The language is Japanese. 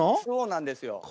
そうなんですよ。